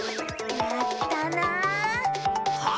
やったあ！